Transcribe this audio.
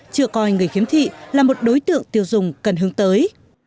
chưa coi người khiếm thị là một đối tượng tiêu dùng cần hướng tới